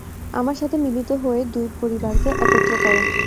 আমার সাথে মিলিত হয়ে দুই পরিবারকে একত্র কর।